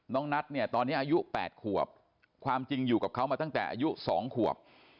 นัทเนี่ยตอนนี้อายุ๘ขวบความจริงอยู่กับเขามาตั้งแต่อายุ๒ขวบ